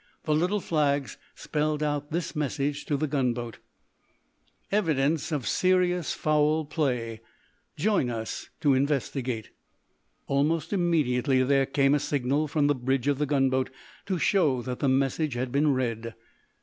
The little flags spelled out this message to the gunboat: "Evidence of serious foul play. Join us to investigate." Almost immediately there came a signal from the bridge of the gunboat, to show that the message had been read.